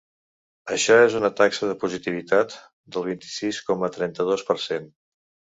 Això és una taxa de positivitat del vint-i-sis coma trenta-dos per cent.